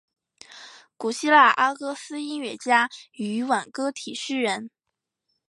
古希腊阿哥斯音乐家与挽歌体诗人。